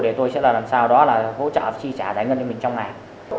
để tôi sẽ làm sao đó là hỗ trợ chi trả giải ngân cho mình trong ngày